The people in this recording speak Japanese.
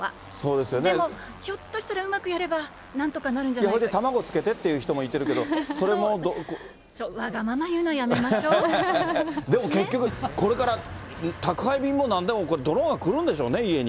でも、ひょっとしたら、うまくやればなんとかなるんじゃないそれに卵つけてっていう人もわがまま言うのやめましょう、でも結局、これから宅配便もなんでも、ドローンが来るんでしょうね、家に。